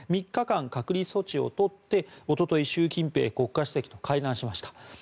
３日間、隔離措置をとって一昨日、習近平国家主席と会談しました。